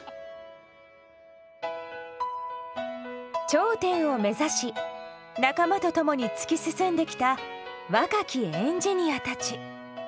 頂点を目指し仲間と共に突き進んできた若きエンジニアたち。